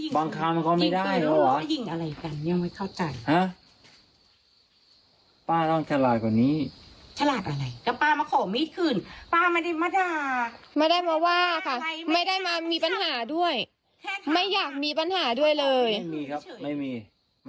ผมมีดอ่ะผมมาได้อย่างใครแค่งก็ได้แต่ผมจะเอามีดป้ามามาเติม